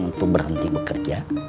untuk berhenti bekerja